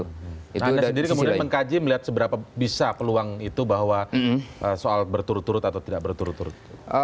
nah anda sendiri kemudian mengkaji melihat seberapa bisa peluang itu bahwa soal berturut turut atau tidak berturut turut